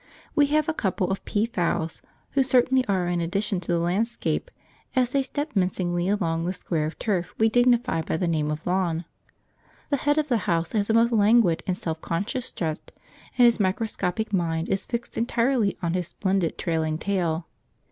We have a couple of pea fowl who certainly are an addition to the landscape, as they step mincingly along the square of turf we dignify by the name of lawn. The head of the house has a most languid and self conscious strut, and his microscopic mind is fixed entirely on his splendid trailing tail.